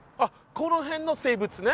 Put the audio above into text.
この辺の生物ね？